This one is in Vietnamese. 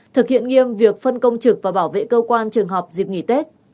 thực hiện nghiêm việc phân công trực và bảo vệ cơ quan trường học dịp nghỉ tết